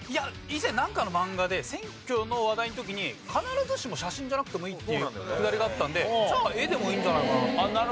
以前なんかのマンガで選挙の話題の時に必ずしも写真じゃなくてもいいっていうくだりがあったので絵でもいいんじゃないかな。